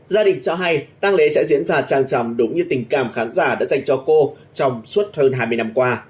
gia đình cho hay tăng lễ sẽ diễn ra trang trầm đúng như tình cảm khán giả đã dành cho cô trong suốt hơn hai mươi năm qua